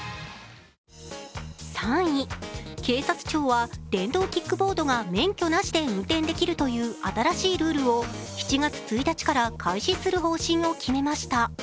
３位、警察庁は電動キックボードが免許なしで運転できるという新しいルールを７月１日から開始する方針を決めました。